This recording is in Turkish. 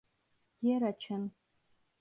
Yer açın!